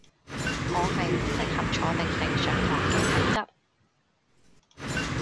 我係唔適合坐定定上堂嘅體質